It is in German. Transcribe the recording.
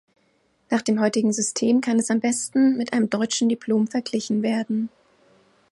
Nach dem heutigen System kann es am besten mit einem deutschen Diplom verglichen werden.